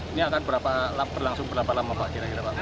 ini akan berlangsung berapa lama pak